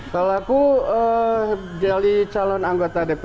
kalau aku jadi calon anggota dpr